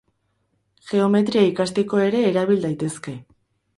Geometria ikasteko ere erabil daitezke.